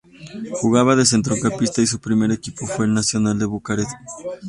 Jugaba de centrocampista y su primer equipo fue el National de Bucarest.